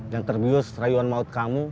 yang terbiuh serayuan maut kamu